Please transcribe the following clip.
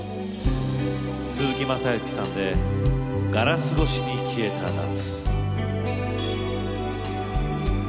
鈴木雅之さんで「ガラス越しに消えた夏」。